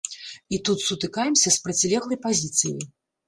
І тут сутыкаемся з процілеглай пазіцыяй.